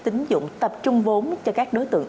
tính dụng tập trung vốn cho các đối tượng